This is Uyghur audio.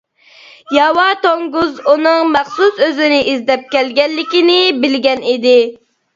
ياۋا توڭگۇز ئۇنىڭ مەخسۇس ئۆزىنى ئىزدەپ كەلگەنلىكىنى بىلگەن ئىدى.